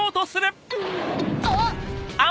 あっ！